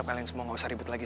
kalau gitu biar gue cari tahu